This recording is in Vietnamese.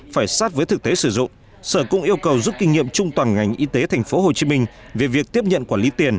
phải sát với thực tế sử dụng sở cũng yêu cầu giúp kinh nghiệm chung toàn ngành y tế tp hcm về việc tiếp nhận quản lý tiền